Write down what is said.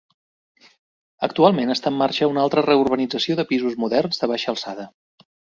Actualment està en marxa una altra reurbanització de pisos moderns de baixa alçada.